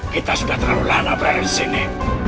kita sudah terlalu lama berada di sini